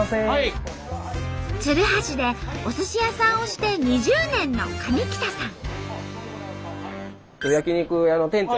鶴橋でおすし屋さんをして２０年の上北さん。